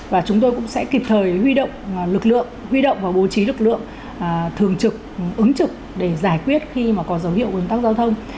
và chúng tôi cũng sẽ kịp thời huy động lực lượng huy động và bố trí lực lượng thường trực ứng trực để giải quyết khi mà có dấu hiệu ốn tắc giao thông